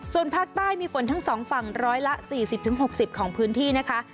ส่วนภาคใต้มีฝนทั้งสองฝั่งร้อยละสี่สิบถึงหกสิบของพื้นที่นะคะ